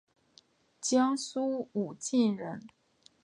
江苏武进人。